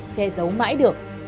che giấu mãi được